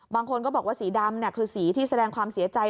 บางคนก็บอกว่าสีดำคือสีที่แสดงความเสียใจ